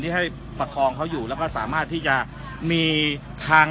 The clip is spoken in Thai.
ให้ประคองเขาอยู่แล้วก็สามารถที่จะมีทาง